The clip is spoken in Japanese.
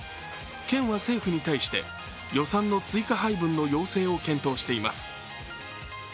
県は政府に対して、予算の追加配分の要請を検討しています。